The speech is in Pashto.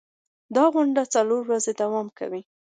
دا غونډه څلور ورځې دوام کوي.